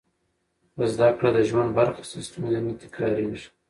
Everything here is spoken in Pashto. که زده کړه د ژوند برخه شي، ستونزې نه تکرارېږي.